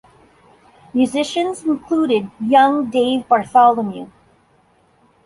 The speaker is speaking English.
Musicians included young Dave Bartholomew.